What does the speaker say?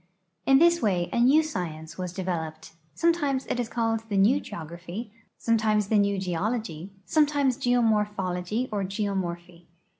In this way a new science was developed; some times it is called the new geograph3^ sometimes the new geology, sometimes geomorphologj" or geomor})hy.